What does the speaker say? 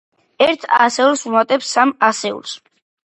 ერთ ასეულს ვუმატებთ სამ ასეულს.